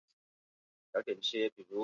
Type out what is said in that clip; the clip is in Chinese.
贞观十一年刺史。